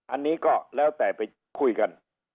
อันนี้ก็แล้วแต่ไปคุยกัน